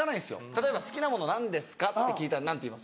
例えば好きなもの何ですか？って聞いたら何て言います？